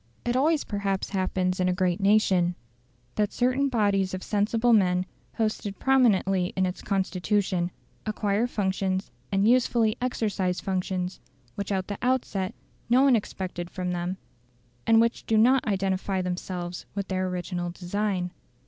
It always perhaps happens in a great nation, that certain bodies of sensible men posted prominently in its Constitution, acquire functions, and usefully exercise functions, which at the outset, no one expected from them, and which do not identify themselves with their original design.